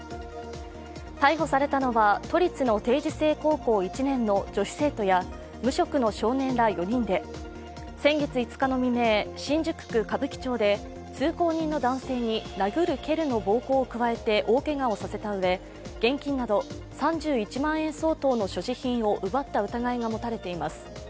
逮捕されたのは都立の定時制高校１年の女子生徒や無職の少年ら４人で、先月５日の未明、新宿区歌舞伎町で通行人の男性に殴る蹴るの暴行を加えて大けがをさせたうえ現金など３１万円相当の所持品を奪った疑いが持たれています。